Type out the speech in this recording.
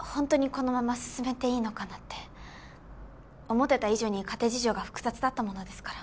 思ってた以上に家庭事情が複雑だったものですから。